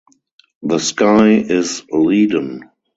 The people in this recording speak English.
The sky is leaden.